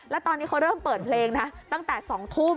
แล้วตอนนี้เขาเริ่มเปิดเพลงนะตั้งแต่๒ทุ่ม